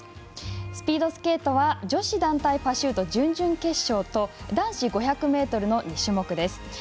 スピードスケートは女子団体パシュート準々決勝と、男子５００ｍの２種目です。